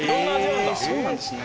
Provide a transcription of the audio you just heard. へえそうなんですね